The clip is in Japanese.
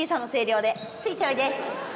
ついておいで。